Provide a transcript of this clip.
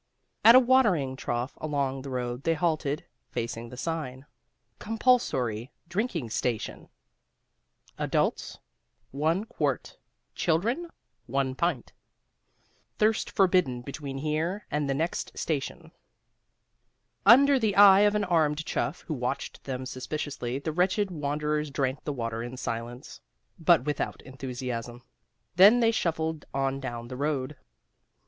At a watering trough along the road they halted, facing the sign: COMPULSORY DRINKING STATION Adults, 1 quart Children, 1 pint THIRST FORBIDDEN BETWEEN HERE AND THE NEXT STATION Under the eye of an armed chuff, who watched them suspiciously, the wretched wanderers drank the water in silence, but without enthusiasm. Then they shuffled on down the road.